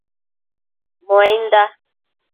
Muainda caumbi